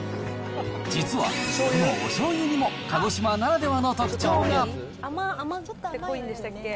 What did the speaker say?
実は、このおしょうゆにも鹿児島ならではの特徴が。